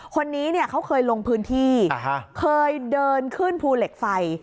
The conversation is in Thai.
คนนี้เขาเคยลงพื้นที่เคยเดินขึ้นภูเหล็กไฟ